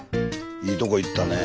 いいとこ行ったね。